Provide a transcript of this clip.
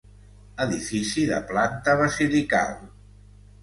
Edifici de planta basilical.